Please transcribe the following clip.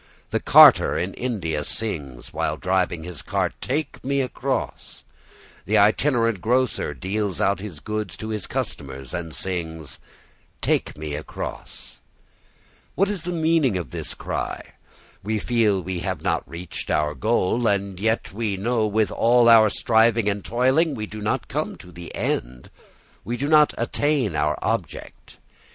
The carter in India sings while driving his cart, "Take me across." The itinerant grocer deals out his goods to his customers and sings, "Take me across". What is the meaning of this cry? We feel we have not reached our goal; and we know with all our striving and toiling we do not come to the end, we do not attain our object.